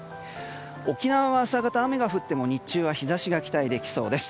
沖縄は朝方雨が降っても日中は日差しが期待できそうです。